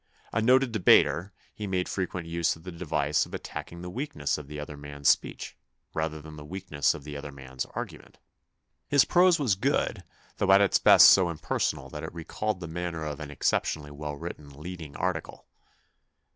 A noted debater, he made frequent use of the device of attacking the weakness of the other man's speech, rather than the weakness of the other man's argument. His prose was good, though' at its best so impersonal that it recalled the manner of an exceptionally well written lead ing article.